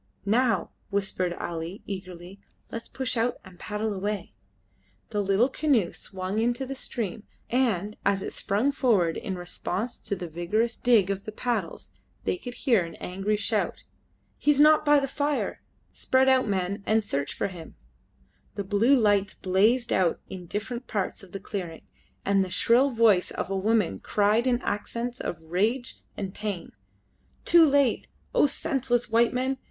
"Now," whispered Ali, eagerly, "let us push out and paddle away." The little canoe swung into the stream, and as it sprung forward in response to the vigorous dig of the paddles they could hear an angry shout. "He is not by the fire. Spread out, men, and search for him!" Blue lights blazed out in different parts of the clearing, and the shrill voice of a woman cried in accents of rage and pain "Too late! O senseless white men!